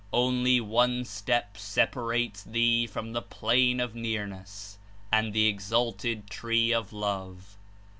Only one step separates thee from the plane of Nearness and the exalted Tree of Love.